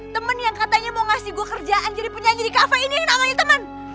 temen yang katanya mau ngasih gue kerjaan jadi penyanyi di kafe ini namanya teman